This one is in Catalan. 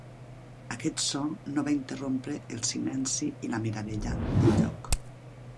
Aquest so no va interrompre el silenci i la meravella del lloc.